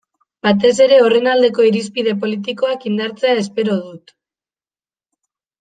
Batez ere horren aldeko irizpide politikoak indartzea espero dut.